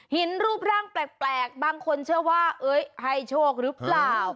รูปร่างแปลกบางคนเชื่อว่าให้โชคหรือเปล่า